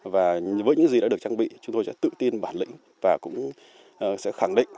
và với những gì đã được trang bị chúng tôi sẽ tự tin bản lĩnh và cũng sẽ khẳng định